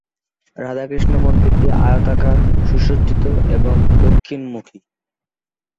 রাধাকৃষ্ণ মন্দিরটি আয়তাকার, সুসজ্জিত এবং দক্ষিণমুখী।